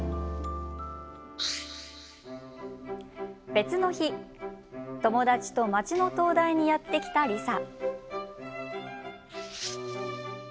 別の日、友達と町の灯台にやって来たリサ。